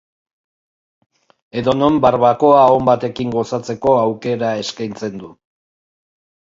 Edonon barbakoa on batekin gozatzeko aukera eskaintzen du.